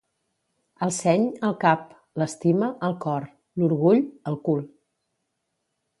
El seny, al cap; l'estima, al cor; l'orgull, al cul.